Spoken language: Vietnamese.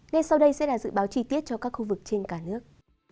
ngay sau đây sẽ là dự báo chi tiết cho các khu vực trên cả nước